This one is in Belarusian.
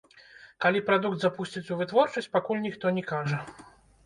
Калі прадукт запусцяць у вытворчасць, пакуль ніхто не кажа.